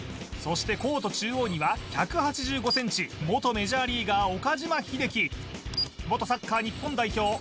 そしてコート中央には１８５ｃｍ元メジャーリーガー岡島秀樹元サッカー日本代表